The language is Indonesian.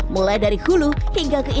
mulai dari hulu hingga kekendali